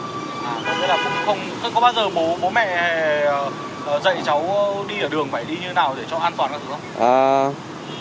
thế có bao giờ bố mẹ dạy cháu đi ở đường phải đi như thế nào để cho an toàn các thứ không